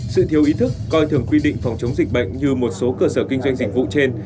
sự thiếu ý thức coi thường quy định phòng chống dịch bệnh như một số cơ sở kinh doanh dịch vụ trên